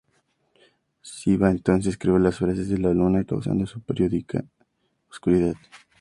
Sivá entonces creó las fases de la Luna, causando su periódica oscuridad.